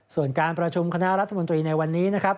ส่วนการประชุมคณะรัฐมนตรีในวันนี้นะครับ